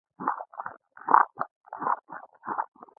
د پېسو غم نۀ کوي او الټا ورته دعاګانې هم کوي -